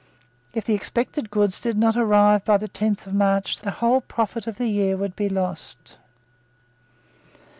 If the expected goods did not arrive by the tenth of March, the whole profit of the year would be lost.